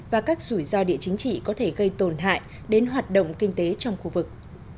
và các rủi ro địa chính trị có thể gây tổn hại đến hoạt động kinh tế trong khu vực